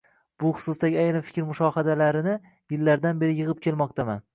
bu xususdagi ayrim fikr-mushohadalarini yildan beri yig'ib kelmoqdaman.